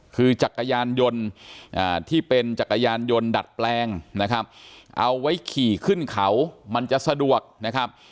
คือจักรยานยนต์ที่เป็นจักรยานยนต์ดัดแปลงนะครับเอาไว้ขี่ขึ้นเขามันจะสะดวกนะครับ